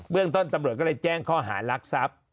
เรื่องต้นตำรวจก็เลยแจ้งข้อหารักทรัพย์